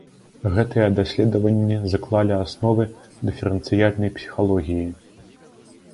Гэтыя даследаванні заклалі асновы дыферэнцыяльнай псіхалогіі.